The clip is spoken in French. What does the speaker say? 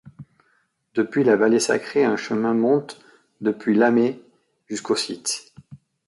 Depuis la Vallée Sacrée un chemin monte depuis Lamay jusqu'au site.